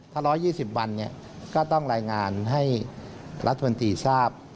ถ้า๑๒๐วันก็ต้องรายงานให้รัฐมนตรีทราบ